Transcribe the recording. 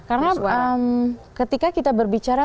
karena ketika kita berbicara